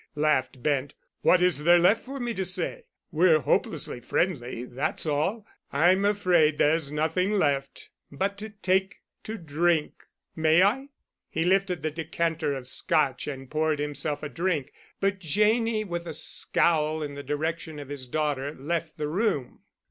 laughed Bent. "What is there left for me to say? We're hopelessly friendly, that's all. I'm afraid there's nothing left but to take to drink. May I?" He lifted the decanter of Scotch and poured himself a drink, but Janney, with a scowl in the direction of his daughter, left the room.